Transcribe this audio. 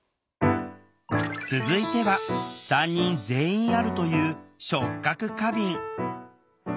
続いては３人全員あるという「触覚過敏」。